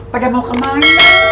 padahal mau kemana